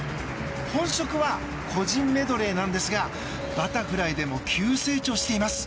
本職は個人メドレーなんですがバタフライでも急成長しています。